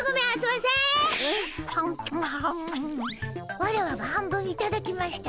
ワラワが半分いただきました。